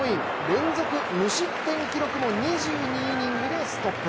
連続無失点記録も２２イニングでストップ。